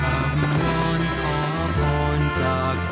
ข้ามนอนขอพรจากเธอให้เวลาพวนให้เธอ